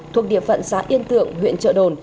thuộc địa phận xã yên tượng huyện trợ đồn